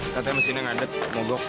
katanya mesinnya ngadet mau go